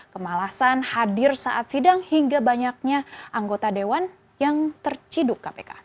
kemalasan hadir saat sidang hingga banyaknya anggota dewan yang terciduk kpk